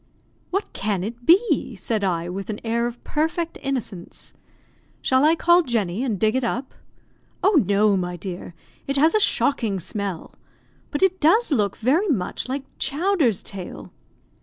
"What can it be?" said I, with an air of perfect innocence. "Shall I call Jenny, and dig it up?" "Oh, no, my dear; it has a shocking smell, but it does look very much like Chowder's tail."